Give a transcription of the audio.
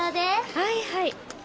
はいはい。